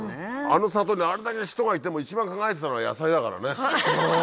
あの里にあれだけ人がいても一番輝いていたのは野菜だからね。